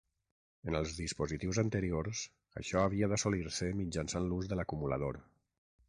En els dispositius anteriors, això havia d'assolir-se mitjançant l'ús de l'acumulador.